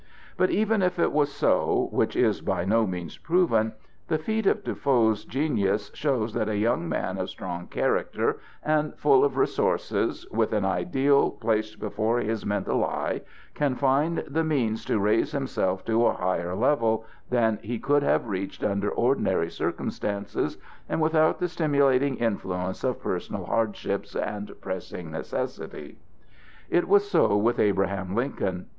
But even if it was so, which is by no means proven, the feat of Defoe's genius shows that a young man of strong character and full of resources, with an ideal placed before his mental eye, can find the means to raise himself to a higher level than he could have reached under ordinary circumstances and without the stimulating influence of personal hardships and pressing necessity. It was so with Abraham Lincoln.